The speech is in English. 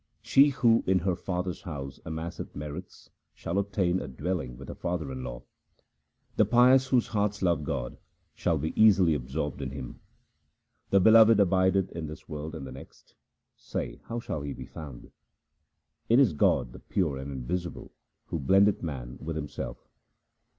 She who in her father's house amasseth merits shall obtain a dwelling with her father in law. The pious whose hearts love God shall be easily absorbed in Him. The Beloved abideth in this world and the next ; say how shall He be found ? It is God the pure and invisible who blendeth man with Himself.